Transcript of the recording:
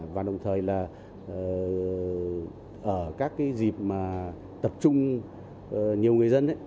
và đồng thời là ở các cái dịp mà tập trung nhiều người dân